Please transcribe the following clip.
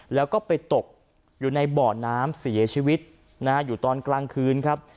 แล้วก็ไปตกอยู่ในบ่อน้ำเสียชีวิตนะฮะอยู่ตอนกลางคืนครับ